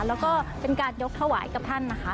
แล้วก็เป็นการยกถวายกับท่านนะคะ